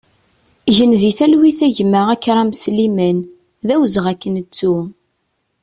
Gen di talwit a gma Akram Sliman, d awezɣi ad k-nettu!